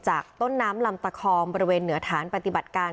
ต้นน้ำลำตะคองบริเวณเหนือฐานปฏิบัติการ